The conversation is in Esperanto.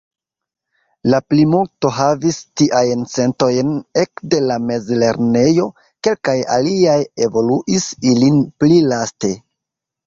La plimulto havis tiajn sentojn ekde la mezlernejo; kelkaj aliaj evoluis ilin pli laste.